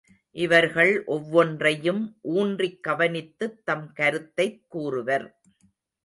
இவர்கள் ஒவ்வொன்றையும் ஊன்றிக் கவனித்துத் தம் கருத்தைக் கூறுவர்.